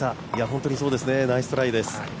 本当にナイストライです。